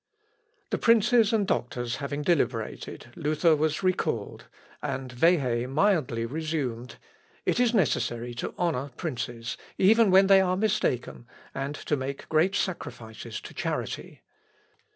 ] The princes and doctors having deliberated, Luther was recalled, and Wehe mildly resumed, "It is necessary to honour princes, even when they are mistaken, and to make great sacrifices to charity."